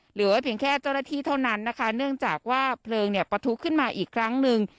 เหลือไว้เพียงแค่เจ้าหน้าที่เท่านั้นนะคะเนื่องจากว่าเพลิงเนี่ยประทุขึ้นมาอีกครั้งหนึ่ง